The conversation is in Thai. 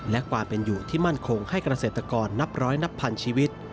และความเป็นอยู่ที่มั่นคงให้เกษตรกรนับร้อยนับพันชีวิต